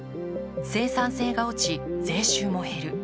生産性が落ち、税収も減る。